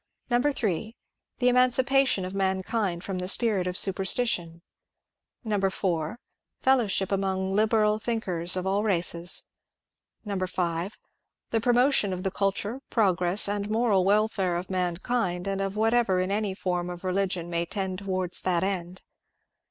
3. The emancipation of mankind from the spirit of superstition. 4. Fellowship among liberal thinkers of all races. 5. The promotion of the culture, progress, and moral welfare of mankind, and of whatever in any form of religion may tend towards that end.